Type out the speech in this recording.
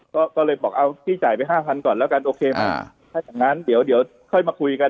ก็เลยบอกเอาพี่จ่ายไปห้าพันก่อนแล้วกันโอเคไหมถ้าอย่างนั้นเดี๋ยวเดี๋ยวค่อยมาคุยกัน